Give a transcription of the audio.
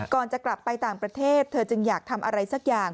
ก่อนจะกลับไปต่างประเทศเธอจึงอยากทำอะไรสักอย่าง